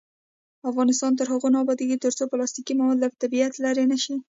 افغانستان تر هغو نه ابادیږي، ترڅو پلاستیکي مواد له طبیعت لرې نشي.